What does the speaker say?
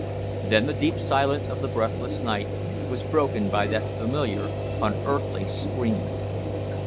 Then the deep silence of the breathless night was broken by that familiar, unearthly scream.